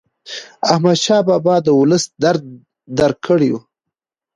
احمدشاه بابا د ولس درد درک کاوه.